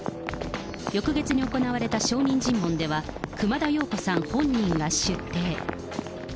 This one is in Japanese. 翌月に行われた証人尋問では、熊田曜子さん本人が出廷。